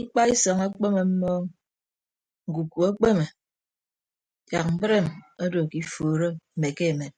Ikpaisọñ ekpeme mmọn ñkuku ekpeme yak mbreem odo ke ifuuro mme ke emem.